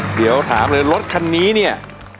เดี๋ยวถามเลยรถคันนี้เนี่ย